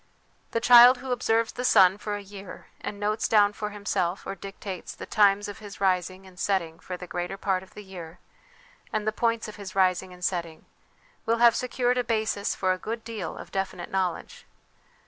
The child who observes the sun for a year and notes down for himself, or dictates, the times of his rising and setting for the greater part of the year, and the points of his rising and setting, will have secured a basis for a good deal of definite knowledge.